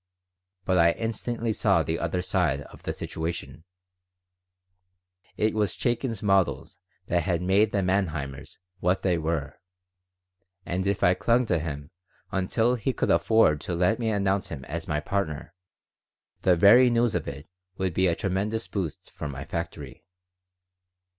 But I instantly saw the other side of the situation: It was Chaikin's models that had made the Manheimers what they were, and if I clung to him until he could afford to let me announce him as my partner the very news of it would be a tremendous boost for my factory.